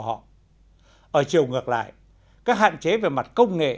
ở chiều ngược lại các hạn chế về mặt công nghệ